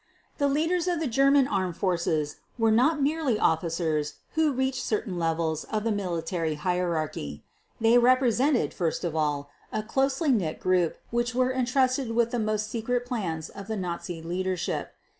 The leaders of the German Armed Forces were not merely officers who reached certain levels of the military hierarchy. They represented, first of all, a closely knit group which was entrusted with the most secret plans of the Nazi leadership.